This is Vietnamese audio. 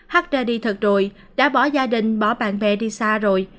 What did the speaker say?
hắt ra đi thật rồi đã bỏ gia đình bỏ bạn bè đi xa rồi